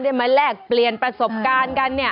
มาแลกเปลี่ยนประสบการณ์กันเนี่ย